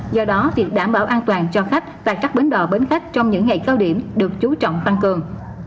do đó việc đảm bảo an toàn cho khách tại các bến đò bến khách trong những ngày cao điểm được chú trọng tăng cường